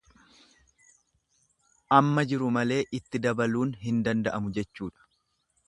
Amma jiru malee itti dabaluun hin danda'mu jechuudha.